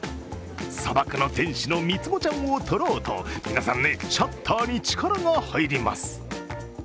砂漠の天使の３つ子ちゃんを撮ろうと皆さんシャッターに力が入ります。